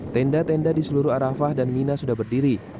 tenda tenda di seluruh arafah dan mina sudah berdiri